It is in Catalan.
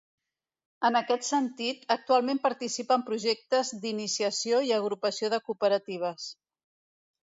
En aquest sentit, actualment participa en projectes d'iniciació i agrupació de cooperatives.